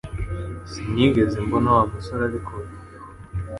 Sinigeze mbona Wa musore abikora